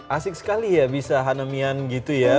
asik sekali ya bisa hanemian gitu ya